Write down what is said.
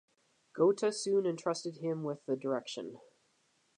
Goethe soon entrusted him with the direction.